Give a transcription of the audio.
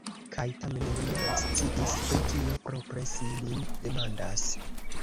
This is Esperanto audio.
Kaj tamen li ne sciis, pri kio propre ŝi lin demandas.